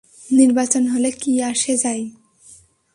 নির্বাচন হলে কী আসে যায়?